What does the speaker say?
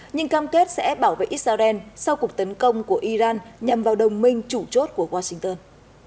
nhưng cam kết sẽ bảo vệ israel sau cuộc tấn công của iran nhằm vào đồng minh chủ chốt của washington